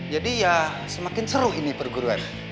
jadi ya semakin seru ini perguruan